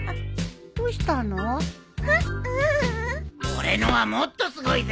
俺のはもっとすごいぜ。